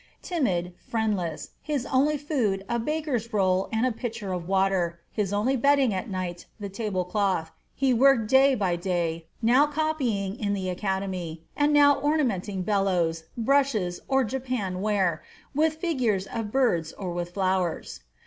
Timid, friendless, his only food a baker's roll and a pitcher of water, his only bedding at night the table cover, he worked day by day, now copying in the Academy, and now ornamenting bellows, brushes, or Japan ware, with figures of birds or with flowers.